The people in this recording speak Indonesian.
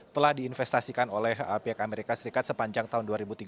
telah diinvestasikan oleh pihak amerika serikat sepanjang tahun dua ribu tiga belas